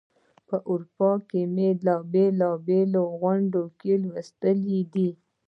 په اروپا کې مي په بېلو بېلو غونډو کې لوستې دي.